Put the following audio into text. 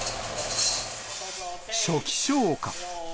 初期消火。